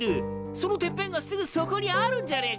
そのてっぺんがすぐそこにあるんじゃねえか